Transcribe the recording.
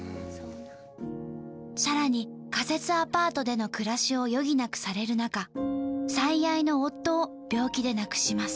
さらに仮設アパートでの暮らしを余儀なくされる中最愛の夫を病気で亡くします。